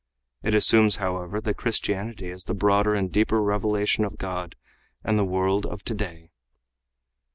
It assumes, however, that Christianity is the broader and deeper revelation of God and the world of today.